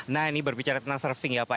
nah ini berbicara tentang surfing ya pak